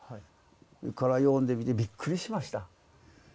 これは読んでみてびっくりしました。